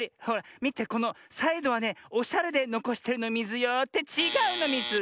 みてこのサイドはねおしゃれでのこしてるのミズよ。ってちがうのミズ！